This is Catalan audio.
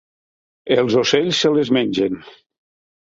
Els ocells se les mengen.